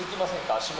足元。